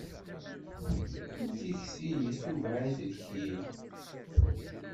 Kul tikli itubeɛ-itt lkil.